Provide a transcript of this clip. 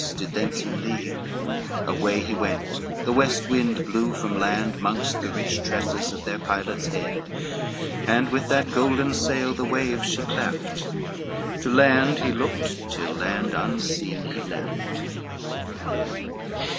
did thence him lead; Away he went, the west wind blew from land Mongst the rich tresses of their pilot's head, And with that golden sail the waves she cleft, To land he looked, till land unseen he left.